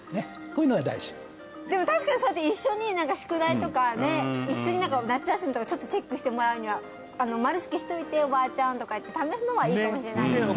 こういうのが大事でも確かにそうやって一緒に宿題とかね一緒に夏休みとかちょっとチェックしてもらうには「丸つけしといておばあちゃん」とか言って試すのはいいかもしれないですね